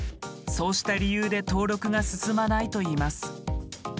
そうした理由で登録が進まないといいます。